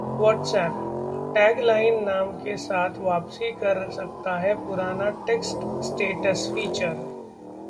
WhatsApp: 'tagline' नाम के साथ वापसी कर सकता है पुराना टेक्स्ट स्टेटस फीचर